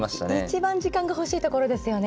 一番時間が欲しいところですよね。